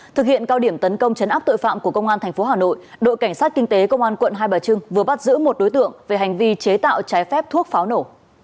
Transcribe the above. thực hiện cao điểm tấn công chấn áp tội phạm của công an tp hà nội đội cảnh sát kinh tế công an quận hai bà trưng vừa bắt giữ một đối tượng về hành vi chế tạo trái phép thuốc pháo nổ